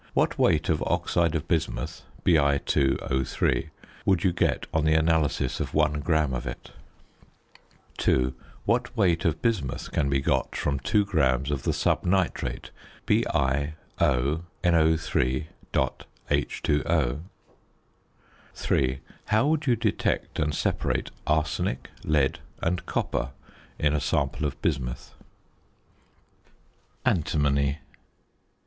What weight of oxide of bismuth, Bi_O_, would you get on the analysis of 1 gram of it? 2. What weight of bismuth can be got from 2 grams of the subnitrate BiONO_.H_O? 3. How would you detect and separate arsenic, lead, and copper in a sample of bismuth? ANTIMONY.